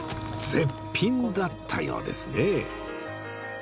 絶品だったようですね